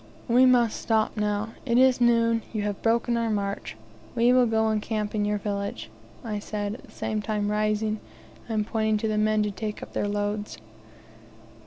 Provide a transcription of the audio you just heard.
"We must stop now. It is noon. You have broken our march. We will go and camp in your village," I said, at the same time rising and pointing to the men to take up their loads.